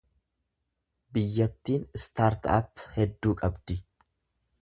Biyyattiin startup hedduu qabdi.